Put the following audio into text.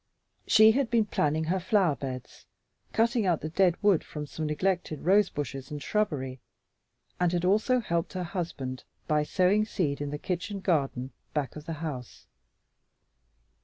She had been planning her flower beds, cutting out the dead wood from some neglected rosebushes and shrubbery, and had also helped her husband by sowing seed in the kitchen garden back of the house.